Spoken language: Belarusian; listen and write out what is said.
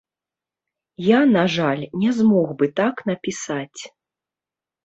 Я, на жаль, не змог бы так напісаць.